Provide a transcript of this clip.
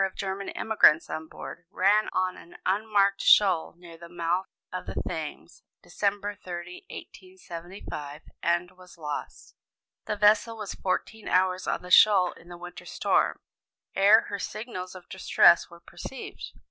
] of German emigrants on board, ran on an unmarked shoal near the mouth of the Thames, December 30, 1875, and was lost. The vessel was fourteen hours on the shoal in the winter storm, ere her signals of distress were perceived.